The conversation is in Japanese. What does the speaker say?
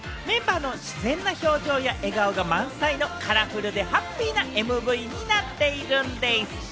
メンバーの自然な表情や笑顔が満載のカラフルでハッピーなＭＶになっているんでぃす。